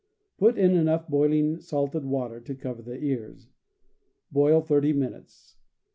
Put in enough boiling salted w^ater to cover the ears. Boil thirty minutes.